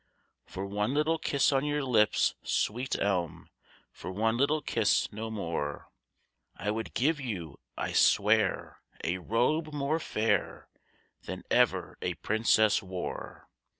"For one little kiss on your lips, sweet elm, For one little kiss, no more, I would give you, I swear, a robe more fair Than ever a princess wore.